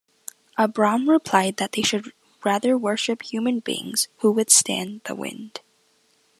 Abram replied that they should rather worship human beings, who withstand the wind.